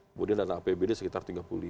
kemudian dana apbd sekitar tiga puluh lima